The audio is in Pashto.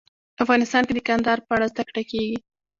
افغانستان کې د کندهار په اړه زده کړه کېږي.